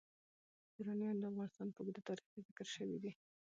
یورانیم د افغانستان په اوږده تاریخ کې ذکر شوی دی.